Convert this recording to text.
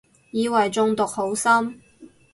以為中毒好深